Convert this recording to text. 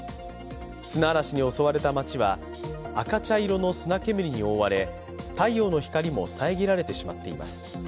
砂嵐に襲われた街は赤茶色の砂煙に覆われ太陽の光も遮られてしまっています。